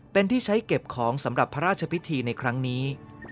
เป็นที่ใช้เก็บของสำหรับพระราชพิธีในครั้งนี้